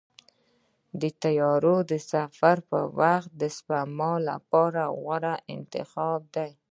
د طیارې سفر د وخت د سپما لپاره غوره انتخاب دی.